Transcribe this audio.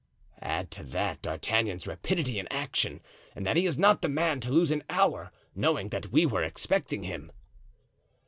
"Add to that D'Artagnan's rapidity in action and that he is not the man to lose an hour, knowing that we were expecting him."